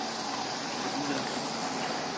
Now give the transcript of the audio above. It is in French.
C'est bizarre.